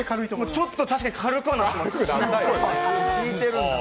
ちょっと確かに軽くはなってます。